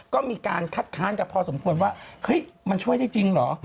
ก็มีการคัดค้านกันพอสมควรว่าเฮ้ยมันช่วยได้จริงเหรอ